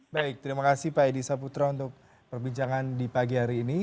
baik terima kasih pak edi saputra untuk perbincangan di pagi hari ini